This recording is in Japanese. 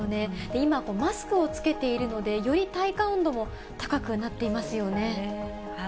今、マスクを着けているので、より体感温度も高くなっていますよね。